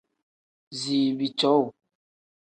Ziibi cowuu.